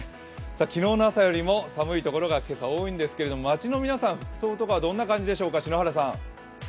昨日の朝よりも寒いところが今朝は多いんですけれども、街の皆さん、服装とかはどんな感じでしょうか。